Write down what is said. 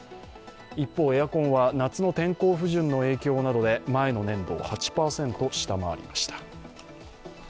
一方、エアコンは夏の天候不順の影響などで前の年度を８％下回りました。